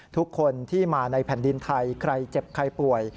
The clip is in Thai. ทุกคนที่มาในแผ่นดินไทยใครเจ็บใครป่วย